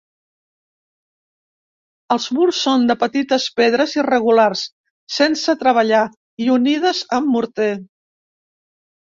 Els murs són de petites pedres irregulars sense treballar i unides amb morter.